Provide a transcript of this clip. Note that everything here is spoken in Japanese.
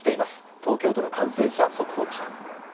東京都の感染者速報でした。